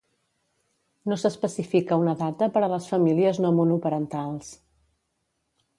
No s'especifica una data per a les famílies no monoparentals.